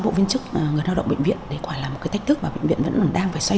bộ viên chức người lao động bệnh viện đấy quả là một cái thách thức mà bệnh viện vẫn còn đang phải xoay